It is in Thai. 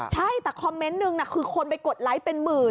ใช่แต่คอมเมนต์นึงคือคนไปกดไลค์เป็นหมื่น